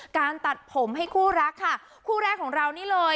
การตัดผมให้คู่รักค่ะคู่แรกของเรานี่เลย